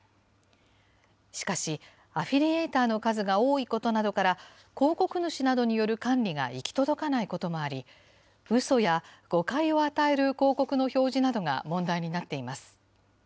しかし、アフィリエイターの数が多いことなどから、広告主などによる管理が行き届かないこともあり、うそや誤解を与える広告の表示などが問題になっています。